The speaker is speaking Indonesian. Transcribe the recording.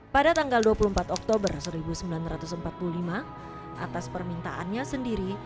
pada tanggal dua puluh empat oktober seribu sembilan ratus empat puluh lima atas permintaannya sendiri